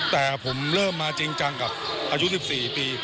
แต่ผมเริ่มมาจริงจังกับอายุ๑๔ปี